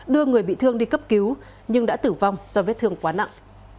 đưa người bị thương đi cấp cứu nhưng đã tử vong do vết thương quá nặng